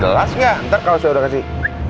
jelas nggak ntar kalau saya udah kasih